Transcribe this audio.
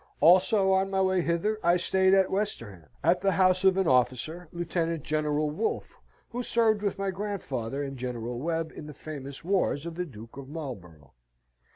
Also on my way hither I stayed at Westerham, at the house of an officer, Lieut. Gen. Wolfe, who served with my grandfather and General Webb in the famous wars of the Duke of Marlborough.